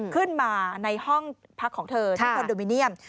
ขึ้นมาในห้องพักของเธอที่คอนโดมิเนียม